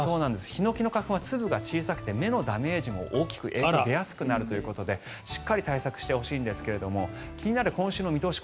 ヒノキ花粉は粒が小さくて目へのダメージも大きくて影響が出やすくなるということでしっかり対策してほしいんですが気になる今週の見通し